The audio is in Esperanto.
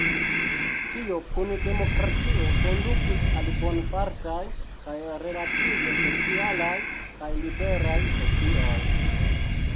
Tio, kun demokratio, kondukis al bonfartaj kaj relative socialaj kaj liberaj socioj.